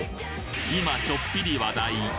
今ちょっぴり話題！